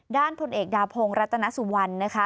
พลเอกดาพงศ์รัตนสุวรรณนะคะ